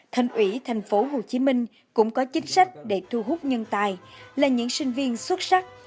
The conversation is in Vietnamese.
thành ủy thành phố hồ chí minh cũng có chính sách để thu hút nhân tài là những sinh viên xuất sắc